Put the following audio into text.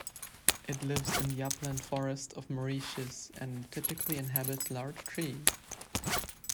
It lives in the upland forest of Mauritius and typically inhabits large trees.